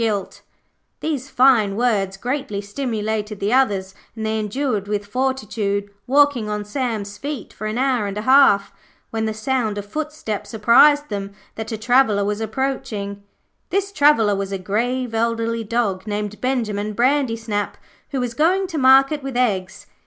These fine words greatly stimulated the others, and they endured with fortitude, walking on Sam's feet for an hour and a half, when the sound of footsteps apprised them that a traveller was approaching. This traveller was a grave, elderly dog named Benjimen Brandysnap, who was going to market with eggs.